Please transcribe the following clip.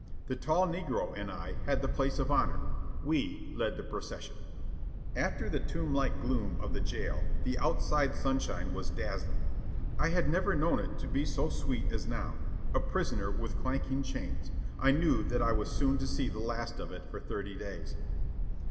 The tall negro and I had the place of honor. We led the procession. After the tomb like gloom of the jail, the outside sunshine was dazzling. I had never known it to be so sweet as now, a prisoner with clanking chains, I knew that I was soon to see the last of it for thirty days.